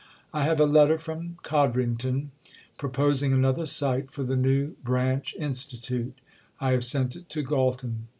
I have a letter from Codrington proposing another site for the new branch Institute. I have sent it to Galton.